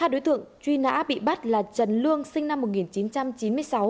ba đối tượng truy nã bị bắt là trần lương sinh năm một nghìn chín trăm chín mươi sáu